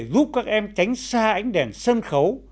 giúp các em tránh xa ánh đèn sân khấu